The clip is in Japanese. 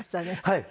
はい。